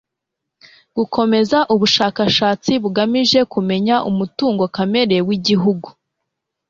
gukomeza ubushakashatsi bugamije kumenya umutungo kamere w'igihugu